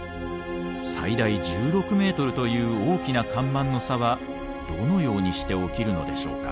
最大１６メートルという大きな干満の差はどのようにして起きるのでしょうか。